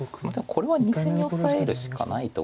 これは２線にオサえるしかないと。